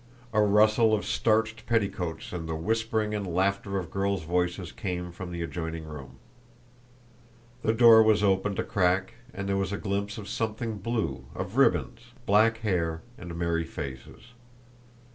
A rustle of starched petticoats and the whispering and laughter of girls' voices came from the adjoining room. The door was opened a crack and there was a glimpse of something blue, of ribbons, black hair, and merry faces.